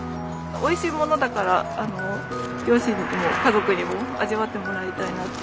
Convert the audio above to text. おいしいものだから両親にも家族にも味わってもらいたいなって。